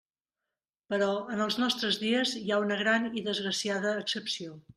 Però, en els nostres dies, hi ha una gran i desgraciada excepció.